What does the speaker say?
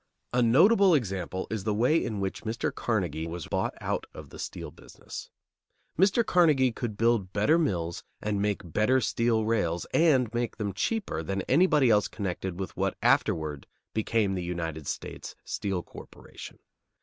A notable example is the way in which Mr. Carnegie was bought out of the steel business. Mr. Carnegie could build better mills and make better steel rails and make them cheaper than anybody else connected with what afterward became the United States Steel Corporation.